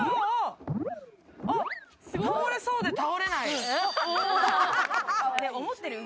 倒れそうで倒れない。